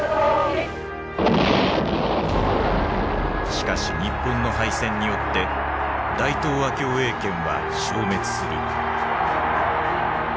しかし日本の敗戦によって大東亜共栄圏は消滅する。